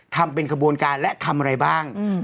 ทำเป็นขบวนการและทำอะไรบ้าง